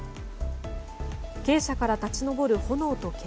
鶏舎から立ち上る炎と煙。